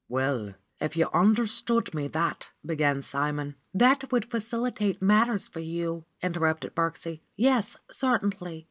"Well, if you understood me, that " began Simon. "That would facilitate matters for you," interrupted Birksie. "Yes, certainly!